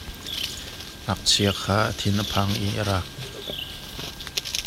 Ngakchia kha a thin a phang i a raak.